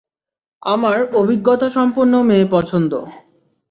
আমার অভিজ্ঞতাসম্পন্ন মেয়ে পছন্দ।